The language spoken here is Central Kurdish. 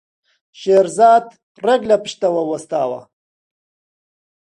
شێرزاد ڕێک لە پشتتەوە وەستاوە.